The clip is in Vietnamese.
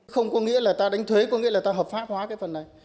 không có nghĩa là ta đánh thuế có nghĩa là ta hợp pháp hóa cái phần này